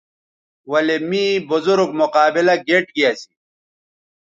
ولے می بزرگ مقابلہ گیئٹ گی اسی